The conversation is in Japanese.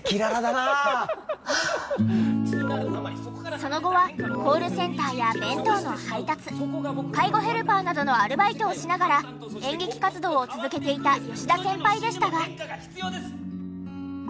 その後はコールセンターや弁当の配達介護へルパーなどのアルバイトをしながら演劇活動を続けていた吉田先輩でしたが。